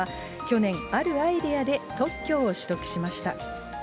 去年、あるアイデアで特許を取得しました。